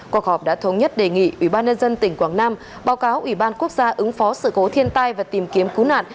cuộc họp đã thống nhất đề nghị ủy ban nhân dân tỉnh quảng nam báo cáo ủy ban quốc gia ứng phó sự cố thiên tai và tìm kiếm cứu nạn